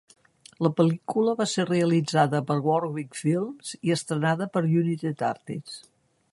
La pel·lícula va ser realitzada per Warwick Films i estrenada per United Artists.